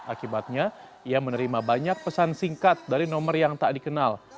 akibatnya ia menerima banyak pesan singkat dari nomor yang tak dikenal